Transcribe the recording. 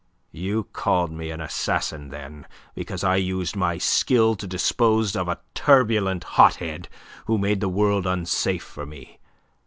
"You called me an assassin then, because I used my skill to dispose of a turbulent hot head who made the world unsafe for me.